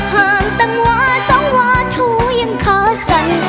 ห้ามตังหวานสองหวานหู้ยังเค้าสั่น